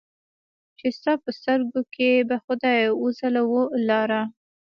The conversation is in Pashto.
چې ستا په سترګو کې به خدای وځلوله لاره